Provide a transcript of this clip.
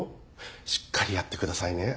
しっかりやってくださいね。